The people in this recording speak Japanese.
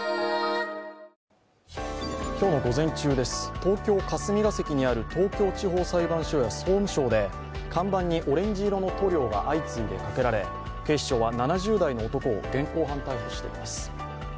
東京・霞が関にある東京地方裁判所や総務省で看板にオレンジ色の塗料が相次いでかけられ、警視庁は７０代の男を現行犯逮捕しています。